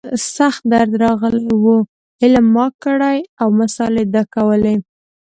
سخت درد راغلى و علم ما کړى او مسالې ده کولې.